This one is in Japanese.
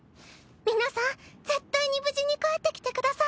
皆さん絶対に無事に帰って来てください。